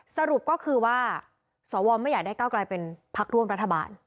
สรุปก็คือว่าสวไม่อยากได้ก้าวกลายเป็นพักร่วมรัฐบาล